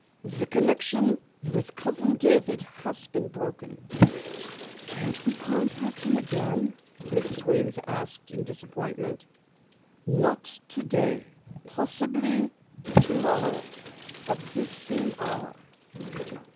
The connection with Cousin David has been broken." "Can't we contact him again?" Mrs. Weems asked in disappointment. "Not today. Possibly tomorrow at this same hour."